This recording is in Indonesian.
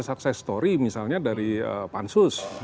sukses story misalnya dari pansus